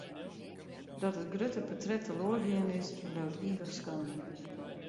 Dat it grutte portret teloar gien is, bliuwt ivich skande.